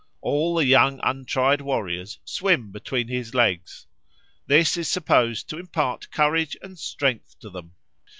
All the young untried warriors swim between his legs. This is supposed to impart courage and strength to them.